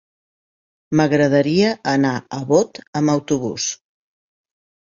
M'agradaria anar a Bot amb autobús.